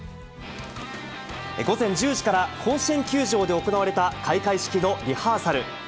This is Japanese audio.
午前１０時から、甲子園球場で行われた開会式のリハーサル。